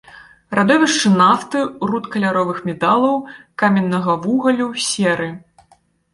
Радовішчы нафты, руд каляровых металаў, каменнага вугалю, серы.